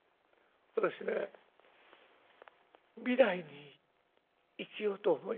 私ね未来に生きようと思います。